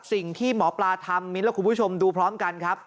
สิ่งที่หมอปลาทำมิ้นและคุณผู้ชมดูพร้อมกันครับ